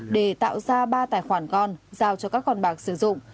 để tạo ra ba tài khoản con giao cho các con bạc sử dụng